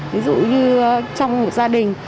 ví dụ như trong một gia đình